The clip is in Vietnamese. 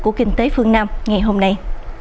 của kinh tế phương nam ngày hôm nay